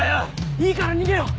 いいから逃げよう。